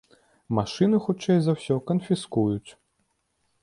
Машыну хутчэй за ўсё канфіскуюць.